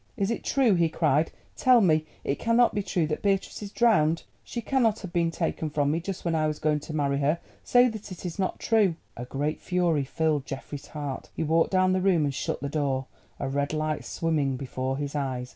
"Is it true?" he cried, "tell me—it cannot be true that Beatrice is drowned. She cannot have been taken from me just when I was going to marry her. Say that it is not true!" A great fury filled Geoffrey's heart. He walked down the room and shut the door, a red light swimming before his eyes.